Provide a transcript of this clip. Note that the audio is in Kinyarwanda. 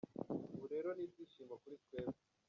Ubu rero ni ibyishimo kuri twebwe.